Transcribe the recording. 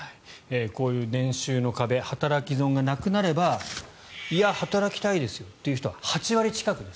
こういう年収の壁働き損がなくなればいや、働きたいですよという人は８割近くです。